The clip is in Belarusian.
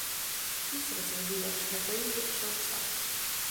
Пісар, звадыяш, напаіў, як шаўца.